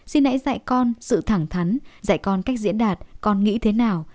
xin hãy dạy con sự thẳng thắn dạy con cách diễn đạt con nghĩ thế nào